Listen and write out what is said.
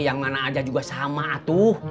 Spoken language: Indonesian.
yang mana aja juga sama tuh